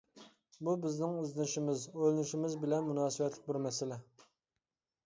بۇ بىزنىڭ ئىزدىنىشىمىز، ئويلىنىشىمىز بىلەن مۇناسىۋەتلىك بىر مەسىلە.